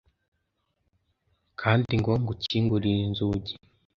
kandi ngo ngukingurire inzugi,